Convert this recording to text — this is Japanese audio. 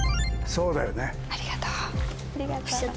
そうだよね。